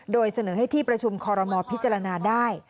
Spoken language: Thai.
โดยเสนอให้ที่ประชุมคอรมอลพิจารณาได้